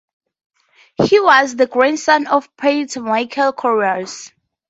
He was the grandson of painter Michael Korais.